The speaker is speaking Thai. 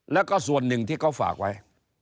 แล้วก็ส่วนหนึ่งที่เขาฝากไว้